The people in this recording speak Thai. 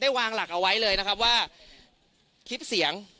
วางหลักเอาไว้เลยนะครับว่าคลิปเสียง